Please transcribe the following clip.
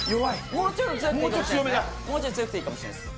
もうちょい強くていいかもしれないっす